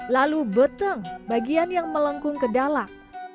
lalu beteng bagian yang melengkung ke dalam